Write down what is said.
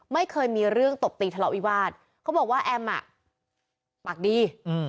ไม่เคยมีเรื่องตบตีทะเลาะวิวาสเขาบอกว่าแอมอ่ะปากดี